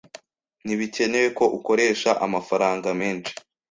Ntibikenewe ko ukoresha amafaranga menshi.